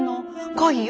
恋よ